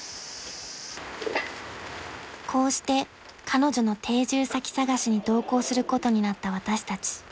［こうして彼女の定住先探しに同行することになった私たち］